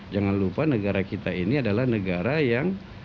jangan lupa negara kita ini adalah negara yang